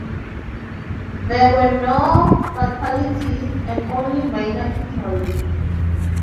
There were no fatalities, and only minor injuries.